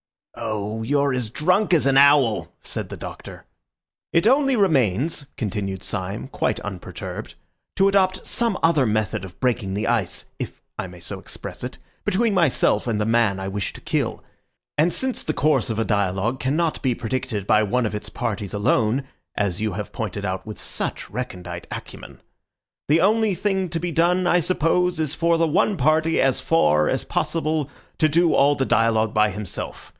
"Oh, you're as drunk as an owl!" said the Doctor. "It only remains," continued Syme quite unperturbed, "to adopt some other method of breaking the ice (if I may so express it) between myself and the man I wish to kill. And since the course of a dialogue cannot be predicted by one of its parties alone (as you have pointed out with such recondite acumen), the only thing to be done, I suppose, is for the one party, as far as possible, to do all the dialogue by himself.